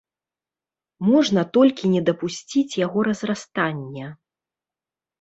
Можна толькі не дапусціць яго разрастання.